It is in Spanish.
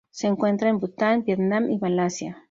Se encuentra en Bután, Vietnam y Malasia.